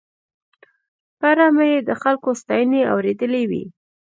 په اړه مې یې د خلکو ستاينې اورېدلې وې.